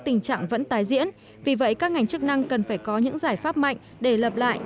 tình trạng vẫn tái diễn vì vậy các ngành chức năng cần phải có những giải pháp mạnh để lập lại